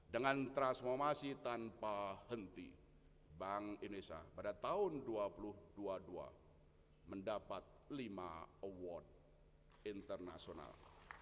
dengan transformasi tanpa henti bank indonesia pada tahun dua ribu dua puluh dua mendapat lima award internasional